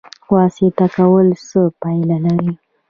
واسطه کول څه پایله لري؟